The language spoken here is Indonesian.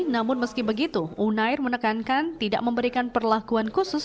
namun meski begitu unair menekankan tidak memberikan perlakuan khusus